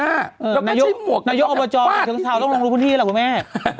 นายกนายกนายกอบประจำตกเท้าต้องลงทุกที่หรอกบ๊วยแม่